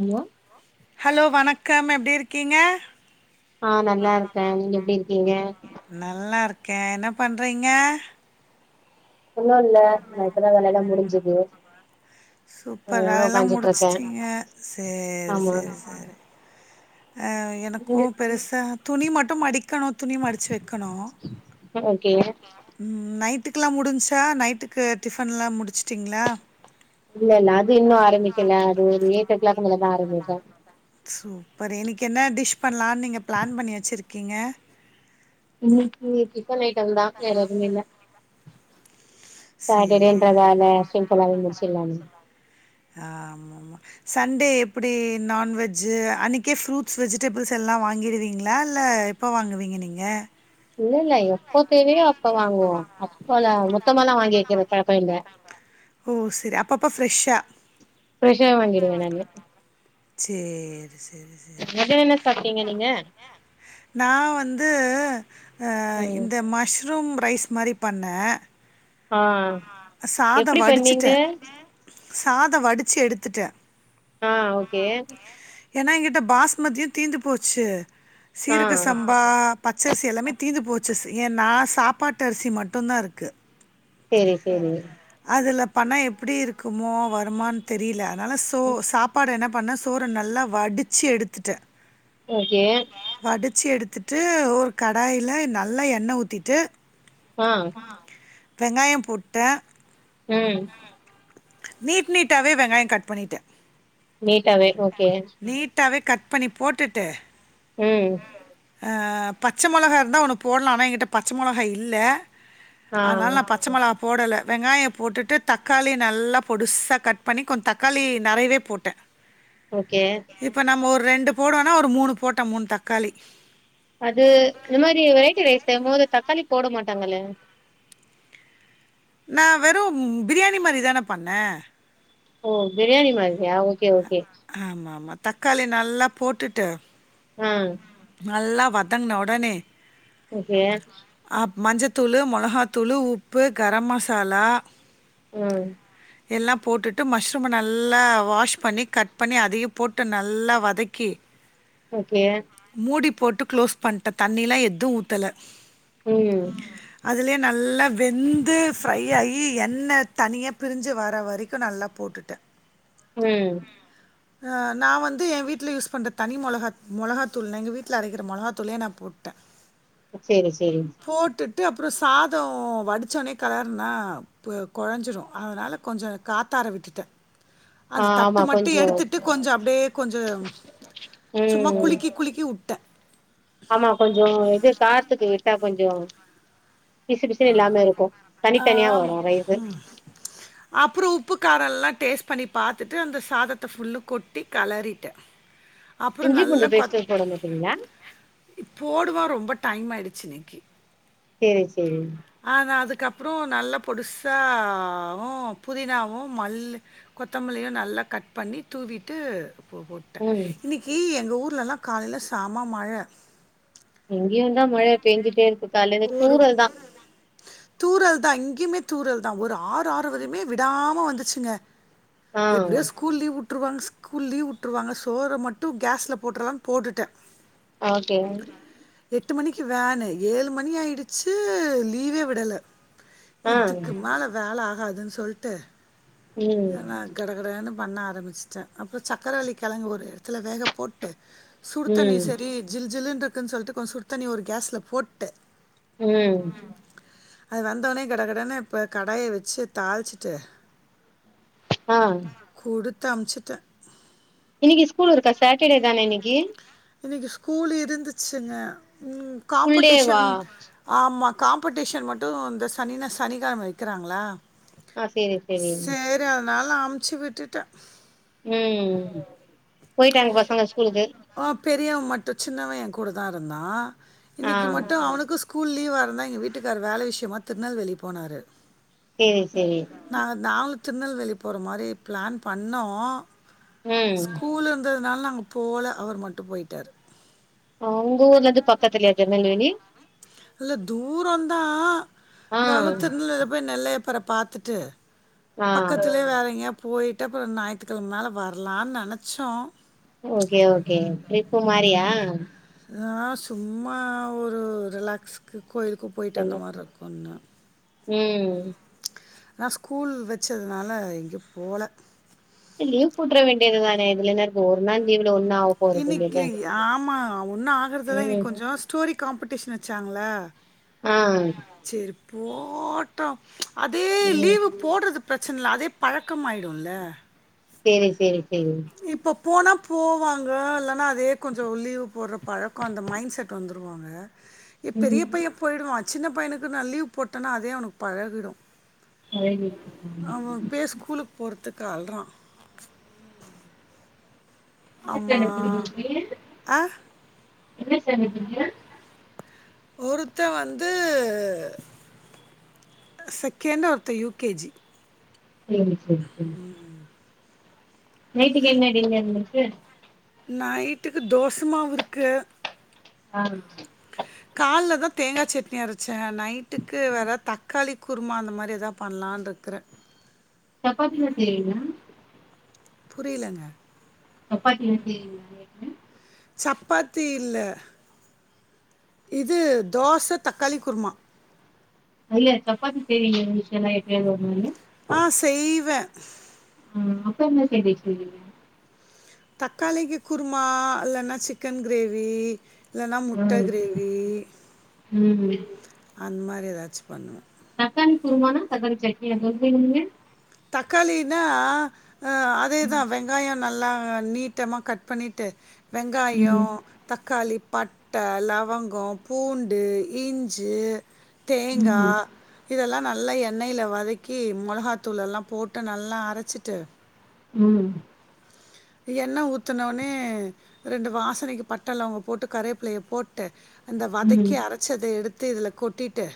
ஹலா hello வணக்கம் எப்டி இருக்கீங்க ஆ நல்லா இருக்கே நீங்க எப்டி இருக்கீங்க நல்லாருக்கே என்ன பண்றீங்க ஒன்னு இல்ல நா இப்பதா வேல எல்லா முடிஞ்சுது சூப்பர் அதனால வேலல்லா உக்காஞ்சிட்ருக்கே முடிச்சுட்டீங்க சேரி ஆமா சேரி சேரி அ எனக்கூ நீங்க பெருசா துணி மட்டு மடிக்கணு துணி மடிச்சு வக்கணு சர் ஓக்கே ம் நைட்டுக்குல்லா முடின்ச்சா நைட்டுக்கு டிஃபன் எல்லா முடிச்சுட்டீங்ளா இல்லல் அது இன்னு ஆரமிக்கல அது ஒரு எயிட் ஓ க்ளாக் மேலதா ஆரமிப்ப சூப்பர் இன்னைக்கு என்ன டிஷ் பண்லான் நீங்க ப்ளான் பண்ணி வச்சுருக்கீங்க இன்னைக்கு சிக்கன் ஐட்டம் தா வேறெதுமே இல்ல சேரி சாட்டர்டேன்றதால சிம்பிளாவே முடிச்சிட்லாமே ஆமாம் சண்டே எப்டி நான்வெஜ்ஜு அன்னைக்கே ஃப்ரூட்ஸ் வெஜிடபுள்ஸ் எல்லா வாங்கிடுவீங்ளா இல்ல எப் ப்ப வாங்குவீங்க நீங்க இல்லல்ல எப்போ தேவையோ அப்ப வாங்குவோ அப்பலா மொத்தமால்லா வாங்கி வெக்கிற பழக்கோ இல்ல ஓ சேரி அப்பப்ப ஃப்ரெஷ்ஷா ஃப்ரெஷா வாங்கிருவே நானு சேரி சேரி சேர் அ மத்யான என்ன சாப்ட்டீங்க நீங்க நா வந்து அ ம் இந்த மஷ் ரூம் ரைஸ் மாரி பண்ணே ஆ சாத எப்டி பண்ணீங்க வடிச்சுட்டே சாத வடிச்சு எடுத்துட்டே ஆ ஓகே ஏனா எங்கிட்ட பாஸ்மதியு தீந்து போச்சு சீரக ஆ சம்பா பச்சரிசி எல்லாமே தீந்து போச்சு சு ஏனா சாப்பாட்டு அரிசி மட்டுந்தா இருக்கு சேரி சேரி அதுல பண்ணா எப்டி இருக்குமோ வருமான் தெரியல அதனால சோ சாப்பாட என்ன பண்ணே சோற நல்லா வடிச்சு எடுத்துட்டே ஓகே வடிச்சு எடுத்துட்டு ஒரு கடாயில நல்ல எண்ணெ ஊத்திட்டு ஆ வெங்காய போட்டே ம் நீட் நீட்டாவே வெங்காய கட் பண்ணிட்டே நீட்டாவே ஓகே நீட்டாவே கட் பண்ணி போட்டுட்டு ம் அ பச்ச மொளகா இருந்தா ஒன்னு போட்லா ஆனா எங்கிட்ட பச்ச மொளகா இல்ல ஆ அதனால நா பச் ச்ச மொளகா போடல வெங்காய போட்டுட்டு தக்காளிய நல்லா பொடுசா கட் பண்ணி கொஞ் தக்காளி நெறையவே போட்டே ஓகே இப்ப நம்ம ஒரு ரெண்டு போடுவோனா ஒரு மூணு போட்டே மூணு தக்காளி அது இந்த மாரி வெரைட்டி ரைஸ் செய்யும் போது தக்காளி போட மாட்டாங்கல்ல நா வெறும் பிரியாணி மாரிதான பண்ணே ஓ பிரியாணி மாதிரியா ஓகே ஓகே ஆமாம்மா தக்காளி நல்லா போட்டுட்டு அ நல்லா வதங்ன ஒடனே ஓகே ஆப் மஞ்சத்தூளு மொளகாத்தூளு உப்பு கரம் மசாலா ம் எல்லா போட்டுட்டு மஷ்ரூம்ம நல்லா வாஷ் பண்ணி கட் பண்ணி அதையு போட்டு நல்லா வதக்கி ஓகே மூடி போட்டு க்ளோஸ் பண்ட்டே தண்ணில எது ஊத்தல ம் அதுலே நல்லா வெந்து ஃப்ரை ஆயி எண்ண தனியா பிரிஞ்சு வர வரைக்கு நல்லா போட்டுட்ட ம் ஆ நா வந்து ஏ வீட்ல யூஸ் பண்ற தனி மொளகா மொளகாத்தூள் நா எங்க வீட்ல அரைக்குற மொளகா தூளே நா போட்ட செரி சரி போட்டுட்டு அப்றோ சாதோ வடிச்சோனே கெளருனா பொ கொழஞ்சிரு அதனால கொஞ்சொ காத்தாற விட்டுட்ட ஆ அந்த ஆமா தட்டு மட்டு கொஞ்சோ எடுத்துட்டு கொஞ்சொ அப்டியே கொஞ்சோம் சும்மா ம் குழுக்கி குழுக்கி உட் ஆமா கொஞ்சொ இது சாரத்துக்கு விட்டா கொஞ்சோ பிசு பிசுனு இல்லாமே இருக்கு தனித்தனியா வரு ரைஸு அப்றோ உப்பு காரோல்லா டேஸ்ட் பண்ணி பாத்துட்டு அந்த சாதத்த ஃபுல்லு கொட்டி கலறிட்டே இஞ்சி பூண்டு பேஸ்டு போட மாட்டீங்ளா இப் போடுவோ ரொம்ப டைம் ஆயிடுச்சு இன்னைக்கி சேரி சரி ஆ நா அதுக்கப்பறோ நல்ல பொடுசாவு புதினாவு மல்லு கொத்தமல்லியு நல்லா கட் பண்ணி தூவிட்டு போ போட் ட ம் இன்னைக்கி எங்க ஊர்லலா காலைல செம மழ இங்கேயுந்தா மழ பேஞ்சுட்டே இருக்கு கால்லருந்து தூரல்தா தூரல்தா இங்கேயுமே தூரல்தா ஒரு ஆறு ஆறு வரையுமே விடாம வந்துச்சுங்க ஆ எப்டியோ ஸ்கூ கூல் லீவ் விட்டுருவாங்க ஸ்கூல் லீவ் விட்ருவாங்க சோற மட்டு கேஸ்ல போட்றலா போட்டுட்டே ஓகேங்க எட்டு மணிக்கு வேனு ஏழு மணி ஆயிடுச்சு லீவே விடல ஆ இதுக்கு மேல வேல ஆகாதுன் சொல்ட்டு ம் நா கடகடன்னு பண்ண ஆரம்பிச்சட்டே அப்றோ சக்கர வள்ளிக் கெழங்கு ஒரு எடத்துல வேக போட்டு சுடு தண்ணி ம் சரி ஜில் ஜில்லுனு இருக்குன்னு சொல்ட்டு கொச சுடு தண்ணி ஒரு கேஸ்ல போட்டு ம் அது வந்தோனே கடகடனு இப்ப கடாய வச்சு தாளிச்சுட்டு ஆ குடுத் அம்ச்சுட்ட இன்னைக்கு ஸ்கூல் இருக்கா சாட்டர்டே தான இன்னைக்கு இன்னைக்கு ஸ்கூல் இருந்துச்சுங்க ம் ஃபுல் டேவா காம்படிஷன் ஆமா காம்பட்டிஷன் மட்டு இந்த சனினா சனிக்கெழம வைக்கிறாங்களா ஆ சேரி செரி து அதனால அமுச்சு விட்டுட்ட ம் போய்ட்டாங்க பசங்க ஸ்கூலுக்கு ஆ பெரியவ மட்டு சின்னவன் எ கூட தா இருந்தா ஆ இன்னைக்கு மட்டு அவனுக்கு ஸ்கூ கூல் லீவா இருந்தா எங்க வீட்டுக்காரு வேல விஷயமா திருநெல்வேலி போனாரு சேரி செரி நாங்க நாங்களு திருநெல்வேலி போற மாரி பிளேன் பண்ணோ ம் கூல் இருந்ததுனால நாங்க போல அவர் மட்டு பொய்ட்டாரு ஆ உங்க ஊர்ல இருந்து பக்கத்துலயா திருநெல்வேலி இல்ல தூரோந்தா ஆ இருந்தாலு திருநெல்வேலில போய் நெல்லையப்பர பாத்துட்டு ஆ பக்கத்துலயே வேற எங்கயா போய்ட்டு அப்பறோ ஞாயிறுத்துக்கெழம மேலே வரலான்னு நெனச்சோ ஓகே ஓகே டிரிப்பு மாரியா நா சும்மா ஒரு ரிலாக்ஸ்க்கு கோயிலுக்கு போயிட்டு வந்த மாரி இருக்குன்னு ம் ஆனா ஸ்கூல் வெச்சதுனால எங்கயு போல ஏ லீவ் போட்டுற வேண்டியதுதான இதுல என்ன இருக்கு ஒரு நாள் லீவுல ஒன்னு ஆவ இன்னைக்கி, ஆமா ஒன்னுஆகுறதுல்ல ம் இன்னக்கி கொஞ்சோ ஸ்டோரி காம்பிடேஷன் வச்சாங்களா ஆ சேரி போட்டா அதே ம் போட்றது பிரச்சன இல்ல அதே பழக்கம் ஆயிடு இல்ல, சேரி சேரி சேரி இப்போ போனா போவாங்க இல்லனா அதே கொஞ்சோ லீவு போட்ற பழக்க அந்த மைண்ட் செட் வந்துருவா ங்க ஏ பெரிய ம் பைய போய்டுவா சின்ன பையனுக்கு நா லீவ் போட்டன்னா அதே அவனுக்கு பழகிடு அழகு. அவ இப்பயே ஸ்கூலுக்கு போறதுக்கு அழுறா என்ன அம்மா ஸ்டாண்டர்ட் படிக்கிறா பைய? ஆ என்ன ஸ்டாண்டர்ட் படிக்கிறா? ஒருத்த வந்து செகெண்ட், ஒருத்த யூ கே ஜி சேரி சேரி சேரி நைட்க்கு என்ன டின்னர் நெக்ஸ்ட் நைட்டுக்கு தோசமாவு இருக்கு ஆ கால்லதா தேங்கா சட்னி அரச்சே நைட்டுக்கு வேற எதா தக்காளி குருமா அந்த மாரி எதா பண்லானு இருக்கிறே சப்பாத்திலா செய்வீங்ளா புரியலங்க சப்பாத்திலா செய்றீங்க சப்பாத்தி இல்ல இது தோச தக்காளி குருமா இல்ல சப்பாத்தி செய்வீங்களா டிஷ் நைட் அந்த ஒரு மாரி ஆ செய்வே ஆ அப்றோ என்ன சைடிஸ் செய்வீங்க தக்காளிக்கு குருமா இல்லன்னா சிக்கன் கிரேவி இல்லன்னா ஆ முட்ட கிரேவி ம் அந்த மாரி ஏதாச்சு பண்ணுவே தக்காளி குருமானா தக்காளி சட்னியா சொல்றீங்க நீங்க தக்காளினா அ அதேதா ம் வெங்காயோ நல்லா நீட் ட்டாம கட் பண்ணிட்டு வெங்காயோ ம் தக்காளி, பட்ட, லவங்கோ பூண்டு, இஞ்சி தேங்கா ம் இதெல்லா நல்ல எண்ணெய்ல வதக்கி மொளகாத் த்தூள் எல்லா போட்டு நல்லா அரச்சிட்டு ம் எண்ணெ ஊத்துனோன்னே ரெண்டு வாசனைக்கு பட்ட லவ்ங்கோ போட்டு கருவேப்பில்லைய போட்டு அந்த ம் வதக்கி அரச்சத எடுத்து இதுல கொட்டிட்டு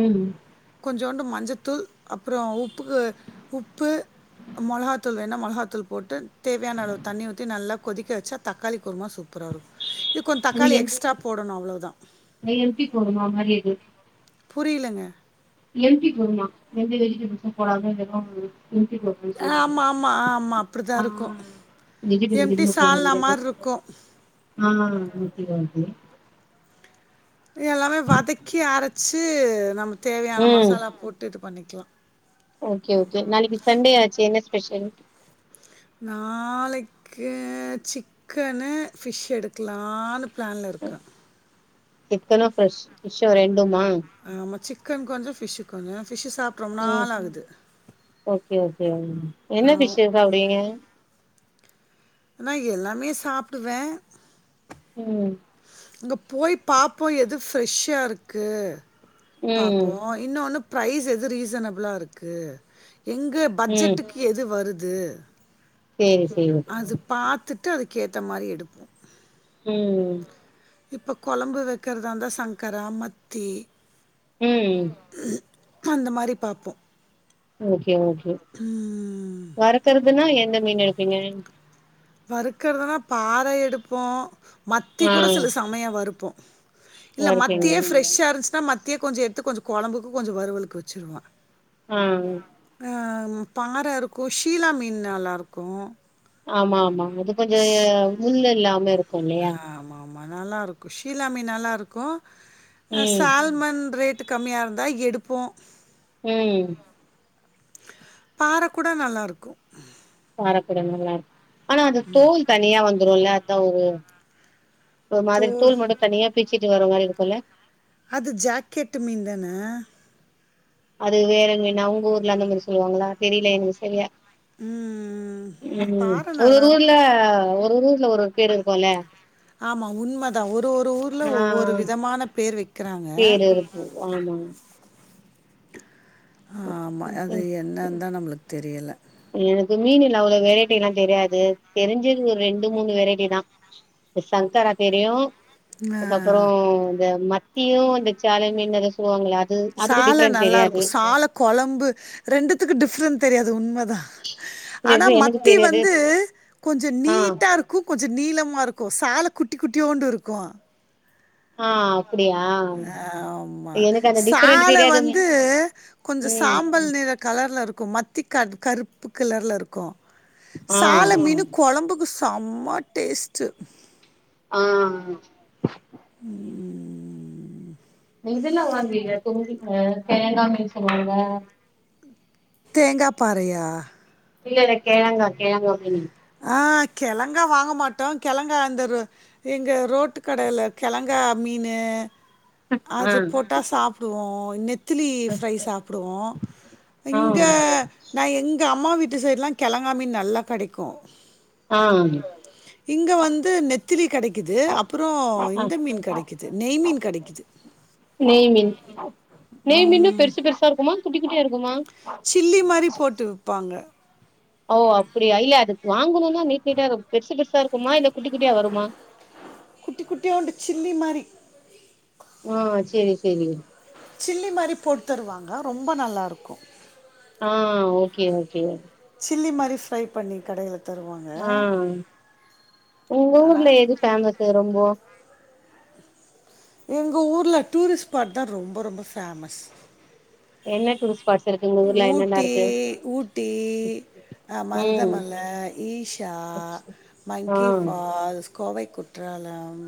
ம் கொஞ்சோண்டு மஞ்சத்தூள் அப்புற உப்புக்கு உப்பு மொளகாத்தூள் வேணா மொளகாத்தூள் போட்டு தேவையான அளவு தண்ணி ஊத்தி நல்லா கொதிக்க வச்சா தக்காளி குருமா சூப்ராருக் இது கொந் அது தக்காளி எம் எக்ஸ்ட்ரா போடணு அவ்ளோ தா [unintelligible] புரியலங்க எம் டி குருமா எந்த வெஜிடபிள்ஸும் போடாத வெறும் எம் டி குரு ஆ ஆமா ஆமா ஆமா அப்டிதா இருக்கு எம் வெஜிடபிள் டி இருந்தா போடணும் சால்ன நெறைய பேர் மார்ருக்கு ஆ ஓகே ஓகே எல்லாமே வதக்கி அரச்சு நம்ம தேவையான ம் மசாலா போட்டு இது பண்ணிக்கலா ஓகே ஓகே நாளைக்கு சண்டே ஆச்சு என்ன ஸ்பெஷல் நாளை க்கே சிக்கன்னு ஃபிஷ் எடுக்கலான்னு பிளான்ல இருக்க சிக்கென்னு ஃப்ரெஷ் ஃபிஷ் ரெண்டுமா ஆமா சிக்கன் கொஞ்சோ ஃபிஷ்ஷு கொஞ்சோ ஃபிஷ்ஷு சாப் ம் ஓகே ஓகே என்ன ஆ ஃபிஷ்ஷு சாப்டுவீங்க நா எல்லாமே சாப்டுவ ம் அங்க போய் பாப்போ எது ஃப்ரெஷ்ஷா இருக்கு பாப்போ ம் இன்னொன்னு ப்ரைஸ் எது ரீசனபுளா இருக்கு எங்க ம் பட்ஜெட்டுக்கு எது வருது சேரி ம் சேரி ஓகே அது பாத்துட்டு அதுக்கேத்த மாரி எடுப்போ ம் இப்ப கொழம்பு வெக்றதா இருந்தா சங்கரா மத்தி ம் அந்த மாரி பாப்போ ஓகே ஓகே ம் வருக்றதுனா எந்த மீன் எடுப்பீங்க வறுக்றதுனா பாற எடுப்போ மத்தி ஆ கூட சில சமயோ வருப்போ இல்ல வறுப்பீங்க மத்தியே ஃபிரெஷ்ஷா இருந்துச்சுன்னா மத் தியே கொஞ்ச எடுத்து கொஞ்ச கொழம்புக்கு கொஞ்ச வறுவலுக்கு வச்சிருவ ஆ அ பாற இருக்கு ஷீலா மீன் நல்லாருக்கு ஆமா ஆமா இது கொஞ்ச முள் இல்லாம இருக் அ ஆமா ஆமா நல்லாருக்கு ஷீலா மீன் நல்லாருக்கு அ ம் சால்மன் ரேட் கம்மியா இருந்தா எடுப்போ ம் பாற கூட நல்லாருக்கு பாற கூட நல்லாரு ஆனா அது தோல் தனியா வந்துருல அதா ஒரு மாதிரி தோல் மட்டு தனியா பீச்சிட்டு வர மாரி இருக்குல அது ஜாக்கெட்டு மீன் தான அது வேற மீனு அவுங்க ஊர்ல அந்த மாரி சொல்லுவாங்ளா தெரில எங்ளுக் சரியா ம் ம் பாற ஒரு ஒரு நல்லாருக்கு ஊர்ல ஒரு ஒரு ஊர்ல ஒரு ஒரு பேரு இருக்குல ஆமா உண்ம தா ஒரு ஒரு ஊர்ல ஒவ்வொரு விதமான பேர் வைக்கிறாங்க பேரு இருக்கு ஆமா ஆமா அது ம். என்னன் தா நம்ளுக் தெரியல எனக்கு மீனுல அவ்ளவு வெரைட்டி எல்லா தெரியாது தெரிஞ்சது ஒரு ரெண்டு மூணு வெரைட்டி தா [unintelligible] சங்கரா தெரியு ஆ அதுக்கப்பறோ இந்த மத்தியு இந்த சால மீன் எதோ சொல்லுவாங்களா அது அதுக்கு சால டிஃப்ரெண்ட் நல்லா இருக்கு தெரியாது சால கொழம்பு ரெண்டுத்துக்கு டிஃப்ரெண்ட் தெரியாது உண்மதா அனா எனக்கு மத்தி தெரியாது வந்து கொஞ்ச ஆ நீட்டா இருக் கு கொஞ்ச நீளமா இருக்கு சால குட்டி குட்டியூண்டு இருக்கு ஆ அப்டியா ஆமா எனக்கு அந்த டிஃப்ரெண்ட் சால தெரியாது வந்து கொஞ்ச ம் சாம் பல் நிற கலர்ல இருக்கு மத்தி க கருப்பு கலர்ல இருக்கு ஆ சால மீனு கொழம்புக்கு செம்ம டேஸ்ட்டு ஆ ஆ ம் இதல்லா வாங்வீக [unintelligible] கெழங்கா மீன் சொல்லுவாங்க தேங்கா பாறையா இல்லல்ல கெழங்கா கெழங்கா மீனு ஆ கெழங்கா வாங்க மாட்டோ கெழங்கா அந்த ஒரு எங்க ரோட்டு கடைல கெழங்கா மீனு ஆ அது போட்டா சாப்புடுவோ நெத் திலி ஃப்ரை சாப்புடுவோ ஆ இங்க நா எங்க அம்மா வீட்டு சைடுலா கெழங்கா மீன் நல்லா கடைக்கும ஆ இங்க வந்து நெத்திளி கெடைக்குது அப்பறோ ஆ இந்த மீன் கெடைக்குது நெய் மீன் கெடைக்குது நெய் மீன் நெய் மீன்னா பெருசு பெருசா இருக்குமா குட்டி குட்டியா இருக்குமா சில்லி மாரி போட்டு விப்பாங்க ஓ அப்படியா இல்ல அதுக்கு வாங்கணுன்னா நீட் நீட்டா பெருசு பெருசா இருக்குமா இல்ல குட்டி குட்டியா வருமா குட்டி குட்டியுண்டு சில்லி மாரி ஆ சேரி சேரி சில்லி மாரி போடுத்தருவாங்க ரொம்ப நல்லாருக்கோ ஆ ஓகே ஓகே சில்லி மாரி ஃப்ரை பண்ணி கடையில தருவாங்க. ஆ உங்க நல்லா ஊர்ல எது பேஃமஸ்ஸு ரொம்போ எங்க ஊர்ல டூரிஸ்ட் ஸ்பாட் தா ரொம்ப ரொம்ப ஃபேமஸ் என்ன டூஸ் பர்ஸ் இருக்குங் ஊட்டி ஊட்டி அ ம் மருதமல ஈஷா ஆ மங்கி ஃபால்ஸ் கோவை குற்றாலம்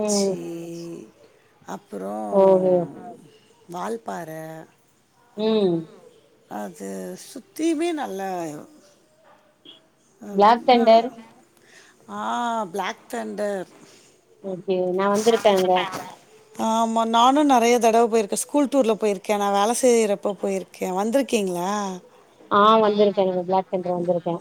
ம் அப்பறோ ஓஹோ வால்பாற ம் அது சுத்தியுமே நல்லா அம் பிளாக் நல்ல தண்டர் ஆ பிளாக் தண்டர் ஓகே நா வந்திருக்க அங்க ஆமா நானு நறைய தடவ போயிருக்க ஸ்கூல் டூர்ல போயிருக்க நா வேல செய்றப்ப போயிருக்க க்க வந்துருக்கீங்களா ஆ வந்துருக்கேங் பிளாக் தண்டர் வந்துருக்க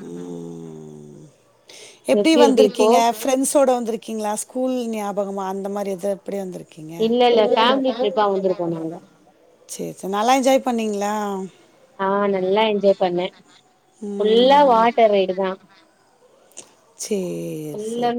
எப்டி இருக்கு இப்போ வந்துருக்கீங்க ஃப்ரெண்ட்ஸோட வந்துருக்கீங்களா ஸ்கூல் ஞாபகமா அந்த மாரி எத எப்டி வந்துருக்கீங்க இல்ல இல்ல ஃபேமிலி ட்ரிப்பா வந்திருக்கோ நாங்க செரி செரி நல்லா என்ஜாய் பண்ணீங்களா ஆ நல்லா என்ஜாய் பண்ண ஃபுல்லா வாட்டர் ரைடு தா சேர் ஃபுல் சேரி அண்ட்